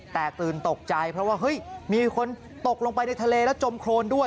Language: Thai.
ตื่นตกใจเพราะว่าเฮ้ยมีคนตกลงไปในทะเลแล้วจมโครนด้วย